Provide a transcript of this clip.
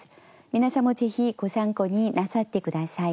皆さんもぜひご参考になさって下さい。